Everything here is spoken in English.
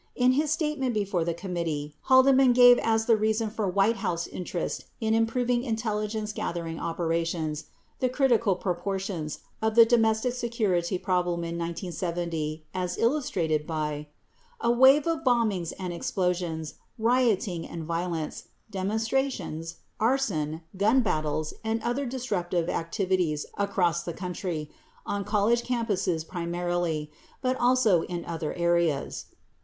38 In his statement before the committee, Haldeman gave as the reason for White House interest in improving intelligence gathering operations the "critical proportions" of the domestic security problem in 1970 as illustrated by "a wave of bombings and explosions, rioting and violence, demonstrations, arson, gun battles and other disruptive activities across the country — on col lege campuses primarily — but also in other areas."